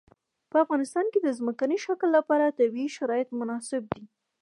په افغانستان کې د ځمکنی شکل لپاره طبیعي شرایط مناسب دي.